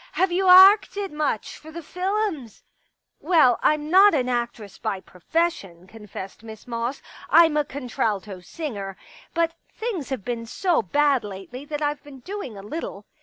... Have you arcted much for the^Z lums ?"*' Well, I'm not an actress by profession," con fessed Miss Moss. '* I'm a contralto singer. But things have been so bad lately that I've been doing a little."